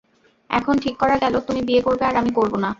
এখন ঠিক করা গেল তুমি বিয়ে করবে আর আমি করব না।